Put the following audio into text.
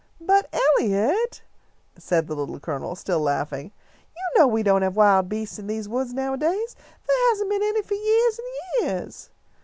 "But, Eliot," said the Little Colonel, still laughing, "you know we don't have wild beasts in these woods nowadays. There hasn't been any for yeahs and yeahs."